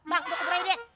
bang gue keburain deh